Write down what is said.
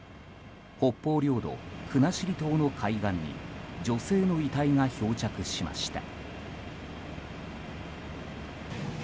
北方領土、国後島の海岸に女性の遺体が漂着しました。